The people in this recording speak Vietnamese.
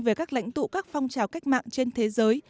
về các lãnh tụ các phong trào cách mạng trên thế giới